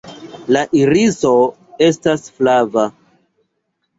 La iriso estas flava.